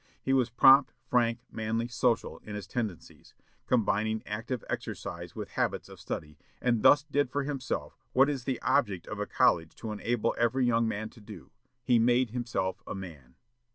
He was prompt, frank, manly, social, in his tendencies; combining active exercise with habits of study, and thus did for himself what it is the object of a college to enable every young man to do, he made himself a MAN."